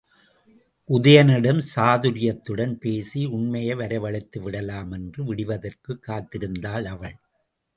உதயணனிடம் சாதுரியத்துடன் பேசி உண்மையை வரவழைத்து விடலாம் என்று விடிவதற்குக் காத்திருந்தாள் அவள்.